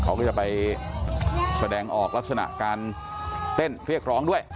เขาก็จะไปแสดงออกลักษณะการเต้นเรียกร้องด้วย